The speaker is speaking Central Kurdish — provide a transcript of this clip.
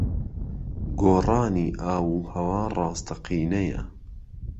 گۆڕانی ئاووھەوا ڕاستەقینەیە.